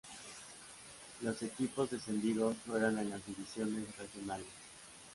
Los equipos descendidos juegan en las Divisiones Regionales.